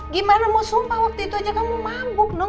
gimana mau sumpah waktu itu aja kamu mabuk dong